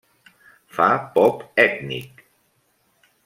Fa pop ètnic.